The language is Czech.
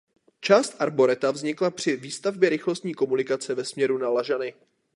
Část arboreta zanikla při výstavbě rychlostní komunikace ve směru na Lažany.